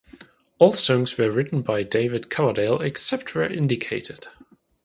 All songs were written by David Coverdale, except where indicated.